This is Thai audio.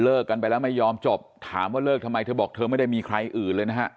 กันไปแล้วไม่ยอมจบถามว่าเลิกทำไมเธอบอกเธอไม่ได้มีใครอื่นเลยนะฮะ